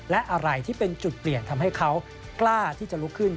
และอะไรที่เป็นจุดเปลี่ยนทำให้เขากล้าที่จะลุกขึ้น